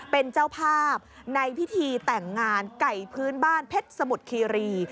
เป็นเจ้าภาพในพิธีแต่งงานไก่พื้นบ้านเพชรสมุทรคีรี